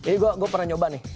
ini gue pernah nyoba nih